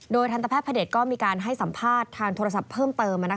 ทันตแพทย์พระเด็จก็มีการให้สัมภาษณ์ทางโทรศัพท์เพิ่มเติม